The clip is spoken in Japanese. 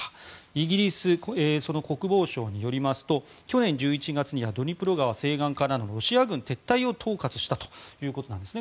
イギリス国防省によりますと去年１１月にはドニプロ川西岸からのロシア軍撤退を統括したということなんですね。